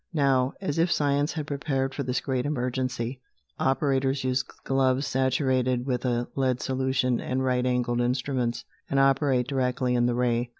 Now, as if science had prepared for this great emergency, operators use gloves saturated with a lead solution, and right angled instruments, and operate directly in the ray.